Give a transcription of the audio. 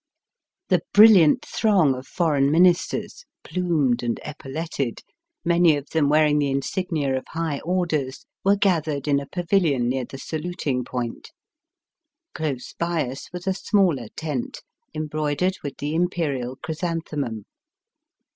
The brilliant throng of foreign Ministers, plumed and epauletted — ^many of them wearing the insignia of high orders — were gathered in a pavilion near the saluting poiut. Close by us was a smaller tent, em broidered with the Imperial chrysanthemum.